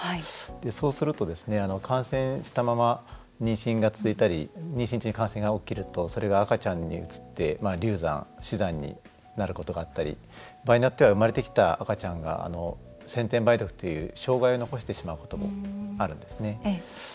そうすると感染したまま妊娠したり妊娠中に感染が起きるとそれが赤ちゃんにうつって流産、死産になることがあったり場合によっては生まれてきた赤ちゃんが先天梅毒という障害を残してしまうこともあります。